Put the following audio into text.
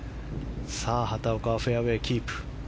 畑岡はフェアウェーキープ。